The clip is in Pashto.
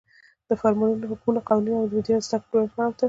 د فرمانونو، حکمونو، قوانینو او مدیریت د زدکړو دویم پړاو ته